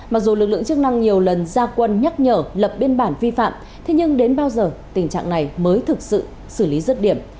mặc dù lực lượng chức năng nhiều lần ra quân nhắc nhở lập biên bản vi phạm thế nhưng đến bao giờ tình trạng này mới thực sự xử lý rứt điểm